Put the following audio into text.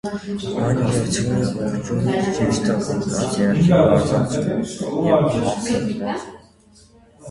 Այն ուղեկցվում էր ողջույնի ժեստով՝ աջ ձեռքի բարձրացումով և ափի պարզումով։